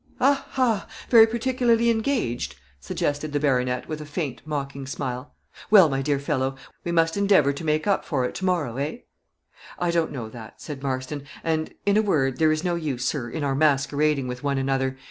"Ah, ha! very particularly engaged?" suggested the baronet, with a faint, mocking smile. "Well, my dear fellow, we must endeavor to make up for it tomorrow eh?" "I don't know that," said Marston, "and in a word, there is no use, sir, in our masquerading with one another.